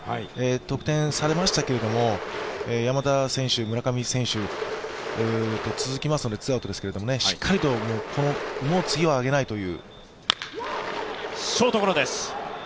得点されましたけれども、山田選手村上選手と続きますので、ツーアウトですけれども、しっかりと、もう次はあげないという。